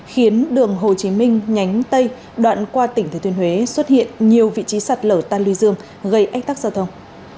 khiến đường hồ chí minh nhánh tây đoạn qua tỉnh thời thuyền huế xuất hiện nhiều vị trí sạt lở tan lươi dương gây ách tác giao thông